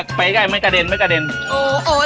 คล้ายมันกระเด็นอย่างงี้